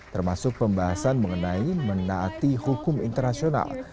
termasuk pembahasan mengenai menaati hukum internasional